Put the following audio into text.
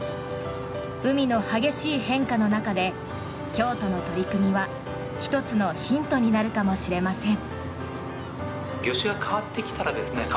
海の激しい変化の中で京都の取り組みは１つのヒントになるかもしれません。